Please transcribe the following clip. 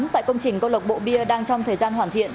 tại công trình câu lọc bộ bia đang trong thời gian hoàn thiện